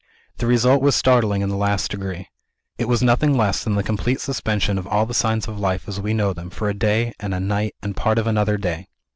"The result was startling in the last degree. It was nothing less than the complete suspension of all the signs of life (as we know them) for a day, and a night, and part of another day.